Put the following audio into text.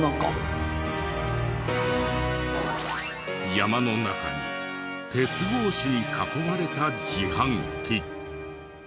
山の中に鉄格子に囲まれた自販機。